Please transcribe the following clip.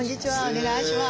お願いします。